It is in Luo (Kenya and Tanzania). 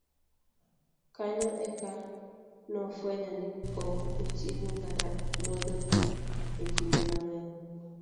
kanyo eka nofwenyo ni pok ochiemo kata modho pi e kinde mang'eny